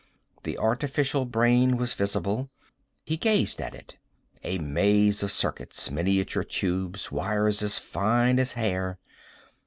The artificial brain was visible. He gazed at it. A maze of circuits. Miniature tubes. Wires as fine as hair.